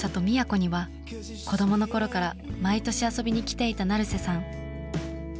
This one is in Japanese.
宮古には子供の頃から毎年遊びに来ていた成瀬さん。